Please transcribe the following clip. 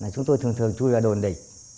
chúng tôi thường thường chui vào đồn địch